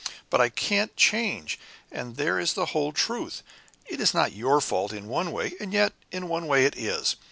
But I can't change and there is the whole truth! It's not your fault in one way and yet in one way it is.